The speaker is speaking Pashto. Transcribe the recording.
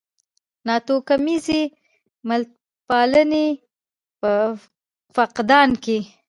ناتوکمیزې ملتپالنې په فقدان کې.